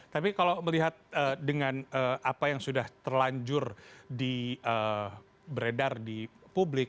tapi kalau melihat dengan apa yang sudah terlanjur di beredar di publik